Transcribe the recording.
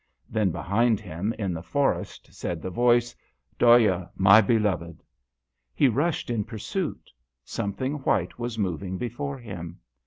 Then behind him in the forest said the voice, " Dhoya, my beloved. " He rushed in pursuit; something white was moving before him.